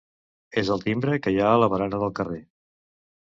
És el timbre que hi ha a la barana del carrer.